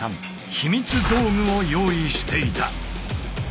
秘密道具を用意していた。